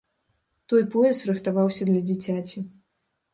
Той пояс рыхтаваўся для дзіцяці.